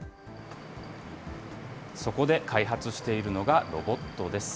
そこで開発しているのがロボットです。